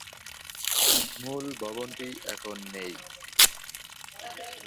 মূল ভবনটি এখন নেই।